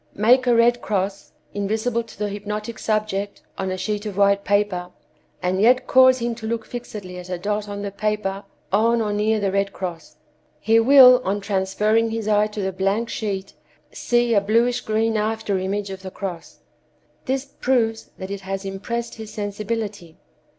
Make a red cross, invisible to the hypnotic subject, on a sheet of white paper, and yet cause him to look fixedly at a dot on the paper on or near the red cross; he wills on transferring his eye to the blank sheet, see a bluish green after image of the cross. This proves that it has impressed his sensibility.